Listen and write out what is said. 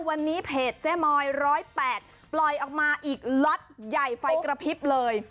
วันนี้เพจเจ๊มอย๑๐๘ปล่อยออกมาอีกล็อตใหญ่ไฟกระพริบเลย